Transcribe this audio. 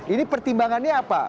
ini pertimbangannya apa